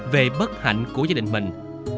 về bất hạnh của gia đình mình